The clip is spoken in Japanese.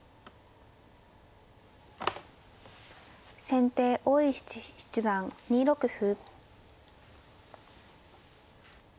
先手大石七段２六歩。